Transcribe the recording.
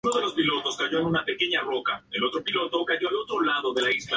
El ganador del minitorneo obtuvo el segundo ascenso a la Primera B Nacional.